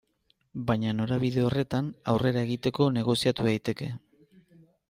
Baina norabide horretan aurrera egiteko negoziatu daiteke.